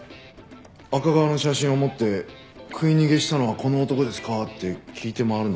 赤川の写真を持って食い逃げしたのはこの男ですか？って聞いて回るの？